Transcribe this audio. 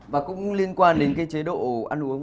và cũng liên quan đến cái chế độ ăn uống